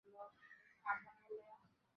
তিনি ছিলেন নারীশিক্ষার বিস্তারের পথিকৃৎ।